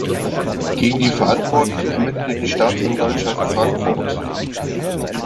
Gegen die Verantwortlichen ermittelte die Staatsanwaltschaft Frankfurt.